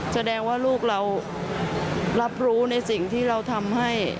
แสดงว่าลูกเรารับรู้ในสิ่งที่เราทำให้